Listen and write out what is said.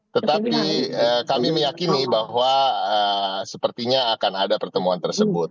tetapi kami meyakini bahwa sepertinya akan ada pertemuan tersebut